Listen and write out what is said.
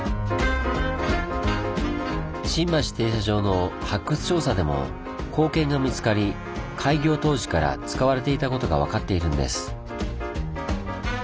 新橋停車場の発掘調査でも硬券が見つかり開業当時から使われていたことが分かっているんです。